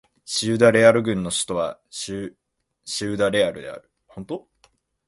シウダ・レアル県の県都はシウダ・レアルである